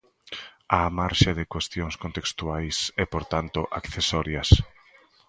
Á marxe de cuestións contextuais e, polo tanto, accesorias.